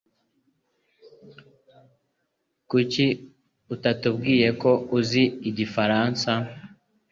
Kuki utatubwiye ko uzi igifaransa?